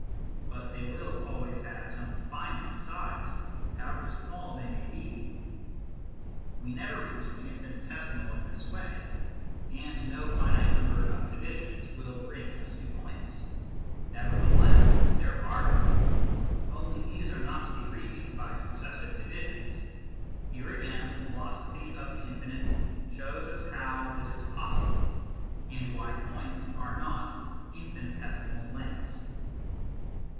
But they will always have some finite size, however small they may be. We never reach the in finitesimal in this way, and no finite number of divisions will bring us to points. Nevertheless there are points, only these are not to be reached by successive divisions. Here again, the philosophy of the infinite shows us how this is possible, and why points are not infinitesimal lengths.